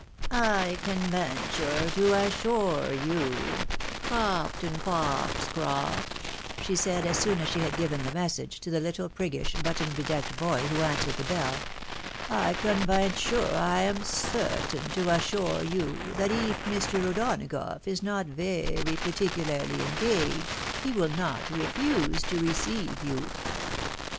" Oy cawn vainthure to asshurre y you, Cawptin Fawxcrolt," she said, as soon as she had given the message to the little priggish but ton bedecked boy who answered the bell, " Oy cawn vainthure, I awm certawin, to asshurre y you, that eef Mr. O'Donagough is not veery partiqularly engaaged, he will not refewse to re ceeeve you."